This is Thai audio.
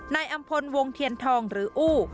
นายอำพลวงเทียนทองหรืออู้